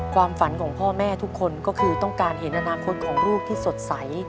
ความฝันของพ่อแม่ทุกคนก็คือต้องการเห็นอนาคตของลูกที่สดใส